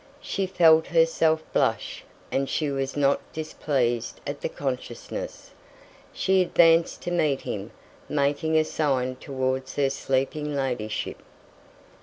She felt herself blush, and she was not displeased at the consciousness. She advanced to meet him, making a sign towards her sleeping ladyship.